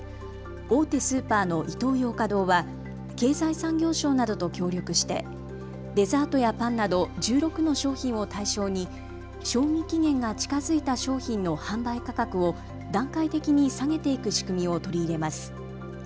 大手スーパーのイトーヨーカ堂は経済産業省などと協力してデザートやパンなど１６の商品を対象に賞味期限が近づいた商品の販売価格を段階的に下げていく仕組みを取り入れます。